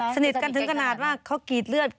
สนิทกันถึงขนาดว่าเขากรีดเลือด